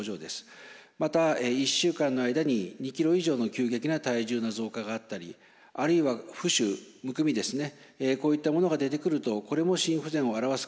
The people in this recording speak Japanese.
また１週間の間に２ｋｇ以上の急激な体重の増加があったりあるいは浮腫むくみですねこういったものが出てくるとこれも心不全を表す可能性があります。